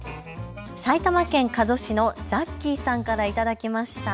埼玉県加須市のザッキーさんから頂きました。